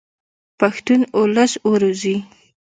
پښتون اولس و روزئ.